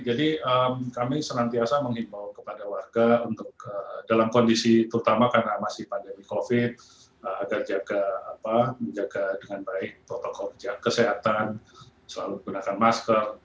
jadi kami senantiasa menghimbau kepada warga untuk dalam kondisi terutama karena masih pandemi covid agar jaga apa menjaga dengan baik protokol kesehatan selalu menggunakan masker